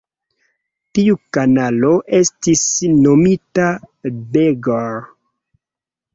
Tiu kanalo estis nomita Beagle.